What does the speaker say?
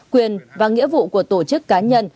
quyền và nghĩa vụ của tổ chức cá nhân